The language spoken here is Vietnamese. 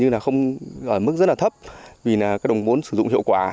như là không ở mức rất là thấp vì là cái đồng vốn sử dụng hiệu quả